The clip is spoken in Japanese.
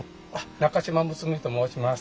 中島睦巳と申します。